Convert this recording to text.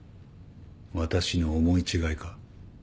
私の思い違いか？